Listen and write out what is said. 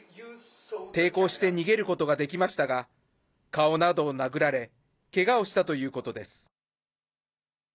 抵抗して逃げることができましたが顔などを殴られけがをしたということです。